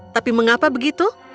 tapi mengapa begitu